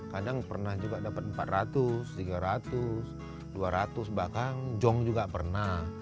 kadang pernah juga dapat empat ratus tiga ratus dua ratus bahkan jong juga pernah